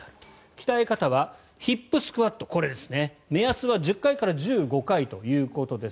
鍛え方はヒップスクワット目安は１０回から１５回ということです。